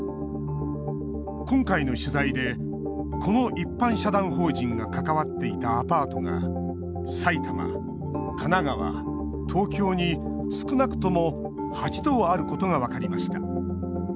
今回の取材でこの一般社団法人が関わっていたアパートが埼玉、神奈川、東京に少なくとも８棟あることが分かりました。